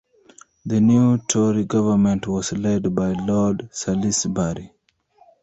The new Tory government was led by Lord Salisbury.